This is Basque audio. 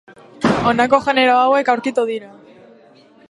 Honako genero hauek aurkitu dira.